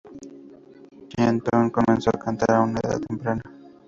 Quinton comenzó a cantar a una edad temprana.